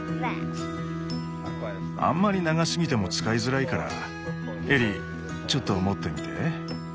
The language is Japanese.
あんまり長すぎても使いづらいからエリーちょっと持ってみて。